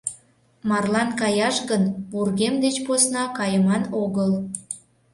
Марлан каяш гын вургем деч посна кайыман огыл.